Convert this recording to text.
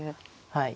はい。